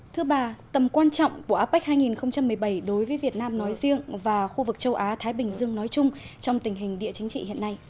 thứ ba tầm quan trọng của apec hai nghìn một mươi bảy đối với việt nam nói riêng và khu vực châu á thái bình dương nói chung trong tình hình địa chính trị hiện nay